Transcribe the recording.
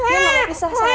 gue gak mau pisah